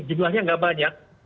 jumlahnya nggak banyak